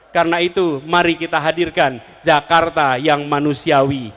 karena itu mari kita hadirkan jakarta yang manusiawi